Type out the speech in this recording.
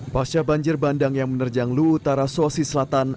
pasca banjir bandang yang menerjang lu utara sosi selatan